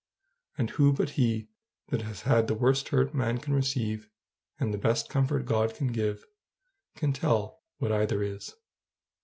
And who but he that has had the worst hurt man can receive, and the best comfort God can give, can tell what either is?